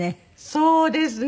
そうですね。